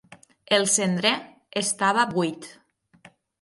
El cendrer estava buit.